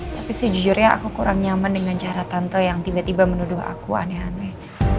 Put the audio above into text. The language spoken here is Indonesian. tapi sejujurnya aku kurang nyaman dengan cara tante yang tiba tiba menuduh aku aneh aneh